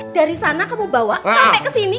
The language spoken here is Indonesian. dari sana kamu bawa sampai kesini